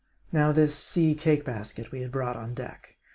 Now this sea cake basket we had brought on deck.